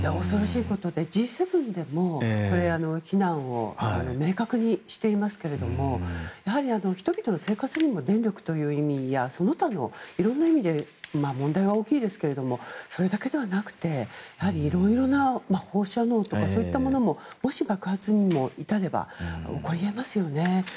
恐ろしいことでＧ７でも非難を明確にしていますけどもやはり、人々の生活にも電力という意味やその他のいろんな意味で問題は大きいですけどそれだけではなくていろいろな、放射能とかそういったものももし、爆発に至れば起こり得ますよね。